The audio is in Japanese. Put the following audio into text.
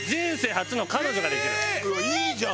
いいじゃん！